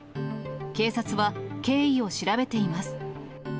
警察は経緯を調べています。